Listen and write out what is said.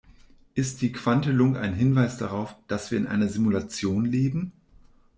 Ist die Quantelung ein Hinweis darauf, dass wir in einer Simulation leben?